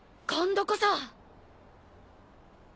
今度こそ！